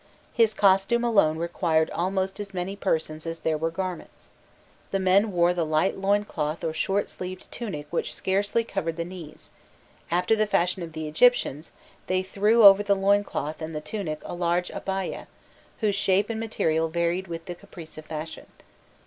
His costume alone required almost as many persons as there were garments. The men wore the light loin cloth or short sleeved tunic which scarcely covered the knees; after the fashion of the Egyptians, they threw over the loin cloth and the tunic a large "abayah," whose shape and material varied with the caprice of fashion.